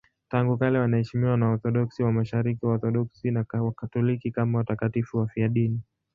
Tangu kale wanaheshimiwa na Waorthodoksi wa Mashariki, Waorthodoksi na Wakatoliki kama watakatifu wafiadini.